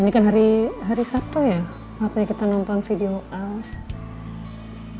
ini kan hari sabtu ya waktunya kita nonton video up